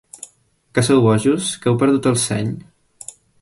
Que sou bojos, que heu perdut el seny?